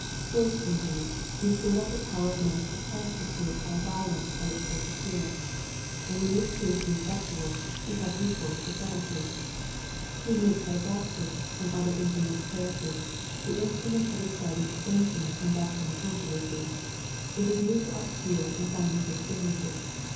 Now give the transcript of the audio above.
First, indeed, he stirred up the power of men to suppress the truth by violence at its first appearance; and when this proved ineffectual, he had recourse to subtlety. He made the Catabaptists, and other infamous characters, the instruments of exciting dissensions and doctrinal controversies, with a view to obscure and finally to extinguish it.